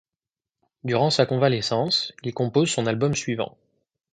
Durant sa convalescence, il compose son album suivant.